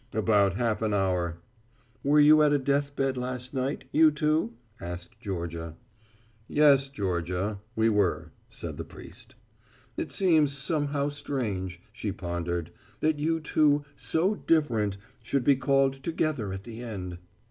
"About half an hour." "Were you at a deathbed last night, you two?" asked Georgia. "Yes, Georgia, we were," said the priest. "It seems somehow strange," she pondered, "that you two, so different, should be called together at the end."